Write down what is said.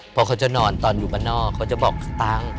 พอเขาจะนอนตอนอยู่มานอกเขาจะบอกตั้ง